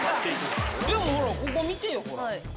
でもほら、ここ見てよ。